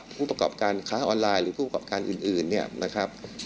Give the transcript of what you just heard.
ผู้ประกอบการค้าออนไลน์หรือผู้ประกอบการอื่นเนี่ยนะครับ